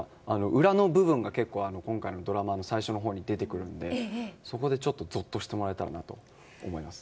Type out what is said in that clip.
裏の部分が結構、今回のドラマの最初のほうに出てくるのでそこでぞっとしてもらえたらなと思います。